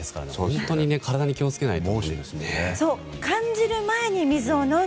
本当に体に気を付けないと。